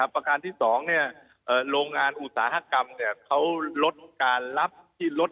ประการที่๒โรงงานอุตสาหกรรมเขาลดการรับที่ลด